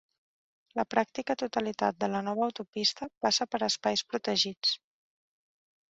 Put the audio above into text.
La pràctica totalitat de la nova autopista passa per espais protegits.